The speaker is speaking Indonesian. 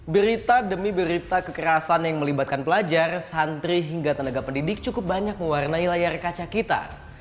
berita demi berita kekerasan yang melibatkan pelajar santri hingga tenaga pendidik cukup banyak mewarnai layar kaca kita